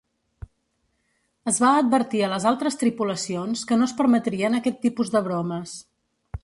Es va advertir a les altres tripulacions que no es permetrien aquest tipus de bromes.